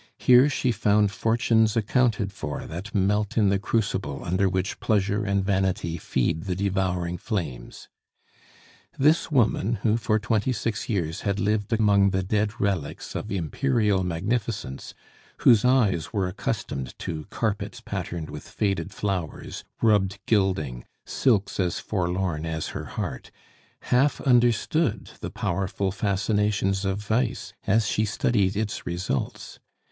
Here she found fortunes accounted for that melt in the crucible under which pleasure and vanity feed the devouring flames. This woman, who for twenty six years had lived among the dead relics of imperial magnificence, whose eyes were accustomed to carpets patterned with faded flowers, rubbed gilding, silks as forlorn as her heart, half understood the powerful fascinations of vice as she studied its results.